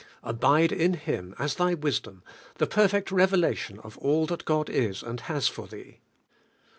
Abide in Him as thy wisdom, the perfect revelation of all that God is and has for thee.